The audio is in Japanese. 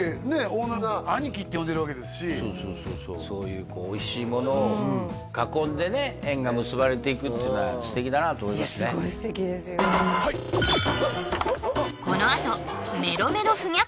オーナーの方アニキって呼んでるわけですしそうそうそうそうそういうおいしいものを囲んでね縁が結ばれていくっていうのは素敵だなと思いますねいや